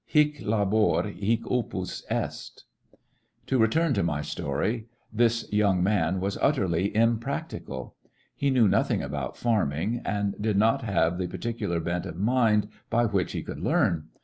Sic labor, hie opus est ! To return to my story, this young man was Trifles for utterly impracticable. He knew nothing about farming, and did not have the particu 45 ^ecoCCections of a lar bent of mind by which he could learn.